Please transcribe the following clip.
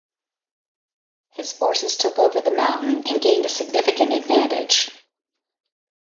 His forces took over the mountain and gained a significant advantage.